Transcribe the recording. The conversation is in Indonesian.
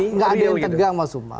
enggak ada yang tegang mas umam